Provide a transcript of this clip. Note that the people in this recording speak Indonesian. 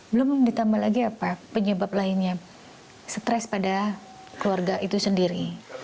belum ditambah lagi apa penyebab lainnya stres pada keluarga itu sendiri